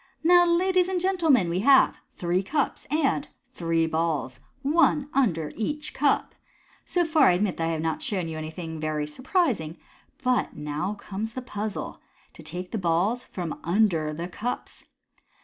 "Now, ladies and gentlemen, we have three cups and three balls, one under each cup. So far, I admit that I have not shown you anything very surprising, but now comes the puzzle, to take the balls from under the cups.